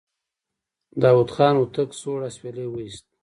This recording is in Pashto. داوود خان هوتک سوړ اسويلی وايست.